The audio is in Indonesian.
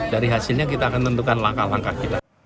dari hasilnya kita akan tentukan langkah langkah kita